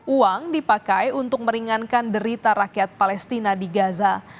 uang dipakai untuk meringankan derita rakyat palestina di gaza